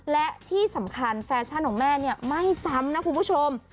และสำคัญแฟชั่นของแม่ไม่ส้ำนะคุณผู้ชม